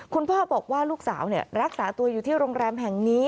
คุณพ่อบอกว่าลูกสาวรักษาตัวอยู่ที่โรงแรมแห่งนี้